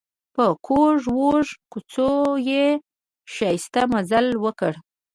په کږو وږو کوڅو یې ښایسته مزل وکړ.